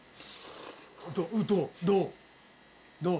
どう？